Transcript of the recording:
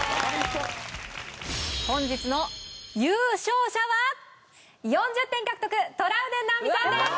本日の優勝者は４０点獲得トラウデン直美さんです！